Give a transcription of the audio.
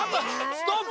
ストップ。